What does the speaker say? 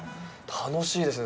楽しいですね